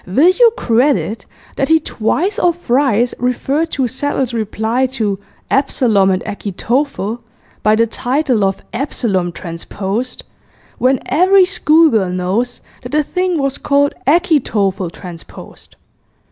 Will you credit that he twice or thrice referred to Settle's reply to "Absalom and Achitophel" by the title of "Absalom Transposed," when every schoolgirl knows that the thing was called "Achitophel Transposed"!